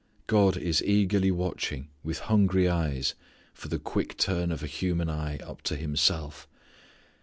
God is eagerly watching with hungry eyes for the quick turn of a human eye up to Himself.